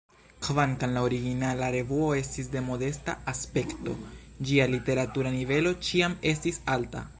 Kvankam la originala revuo estis de modesta aspekto, ĝia literatura nivelo ĉiam estis alta.